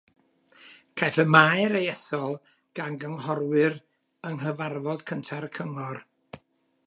Caiff y maer ei ethol gan gynghorwyr yng nghyfarfod cyntaf y Cyngor.